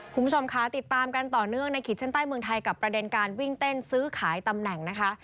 คุณผู้ชมค่ะติดตามกันต่อเนื่องในขีดเส้นใต้เมืองไทยกับประเด็นการวิ่งเต้นซื้อขายตำแหน่งนะคะ